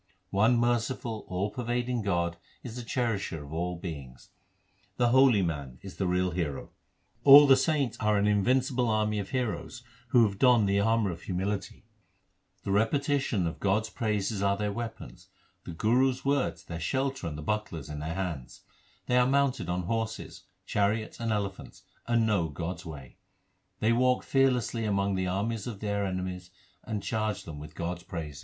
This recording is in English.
One merciful all pervading God is the Cherisher of all beings. The holy man is the real hero : All the saints are an invincible army of heroes who have donned the armour of humility ; The repetitions of God s praises are their weapons, the Guru s words their shelter and the bucklers in their hands ; They are mounted on horses, chariots, and elephants, and know God s way ; They walk fearlessly among the armies of their enemies, and charge them with God s praises ; 1 Sahaskriti in the Granth Sahib means a mixture of Sanskrit, Prakrit, and Hindi.